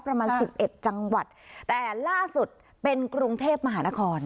ประมาณสิบเอ็ดจังหวัดแต่ล่าสุดเป็นกรุงเทพมหานคร